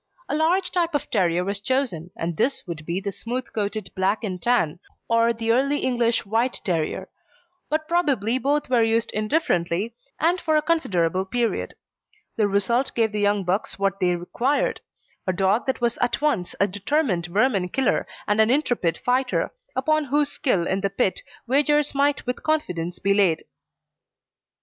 A large type of terrier was chosen, and this would be the smooth coated Black and Tan, or the early English White Terrier; but probably both were used indifferently, and for a considerable period. The result gave the young bucks what they required: a dog that was at once a determined vermin killer and an intrepid fighter, upon whose skill in the pit wagers might with confidence be laid.